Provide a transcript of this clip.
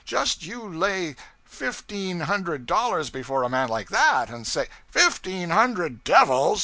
just you lay fifteen hundred dollars before a man like that, and say ' 'Fifteen hundred devils!'